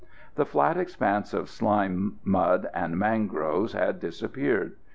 The flat expanse of slime, mud and mangroves had disappeared.